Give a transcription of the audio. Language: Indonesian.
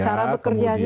tapi cara bekerjanya